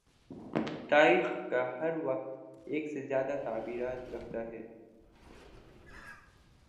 تایخ کا ہر واقعہ ایک سے زیادہ تعبیرات رکھتا ہے۔